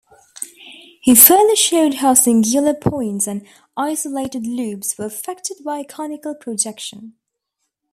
He further showed how singular points and isolated loops were affected by conical projection.